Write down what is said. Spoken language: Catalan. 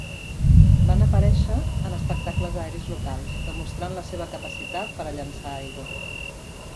Van aparèixer en espectacles aeris locals, demostrant la seva capacitat per a llançar aigua.